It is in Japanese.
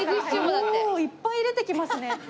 おおいっぱい出てきますね。